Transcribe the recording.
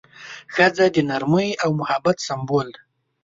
ښځه د نرمۍ او محبت سمبول ده.